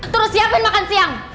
terus siapin makan siang